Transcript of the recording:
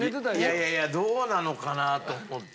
いやいやいやどうなのかなと思って。